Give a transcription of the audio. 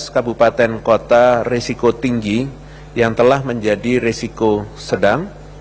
tiga belas kabupaten kota risiko tinggi yang telah menjadi risiko sedang